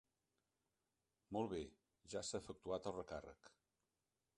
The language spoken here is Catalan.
Molt bé, ja s'ha efectuat el recàrrec.